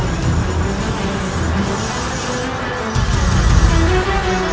aku akan mencari dia